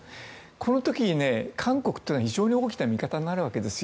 この時に、韓国は非常に大きな味方になるわけです。